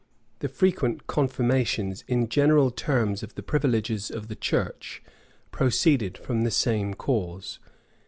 The frequent confirmations in general terms of the privileges of the church proceeded from the same cause.